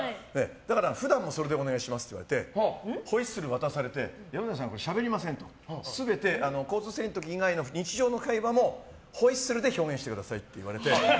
だから、それでお願いしますって言われてホイッスルを渡されて山寺さん、しゃべりませんと全て交通整備の時以外の会話もホイッスルで表現してくださいと言われて。